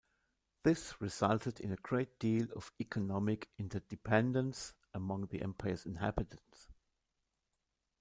This resulted in a great deal of economic interdependence among the empire's inhabitants.